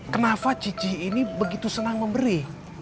kenapa cici ini begitu senang memberi